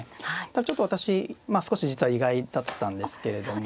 ただちょっと私少し実は意外だったんですけれども。